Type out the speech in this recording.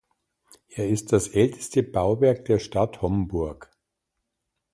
Er ist das älteste Bauwerk der Stadt Homburg.